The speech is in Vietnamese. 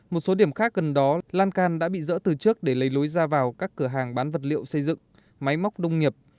một số điểm khác gần đó lan can đã bị dỡ từ trước để lấy lối ra vào các cửa hàng bán vật liệu xây dựng máy móc đông nghiệp